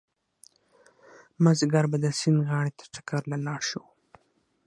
مازيګر به د سيند غاړې ته چکر له لاړ شو